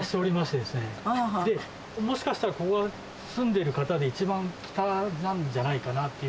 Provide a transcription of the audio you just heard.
で、もしかしたら、ここに住んでいる方が一番北なんじゃないかなっていう。